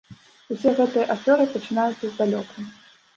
Усе гэтыя аферы пачынаюцца здалёку.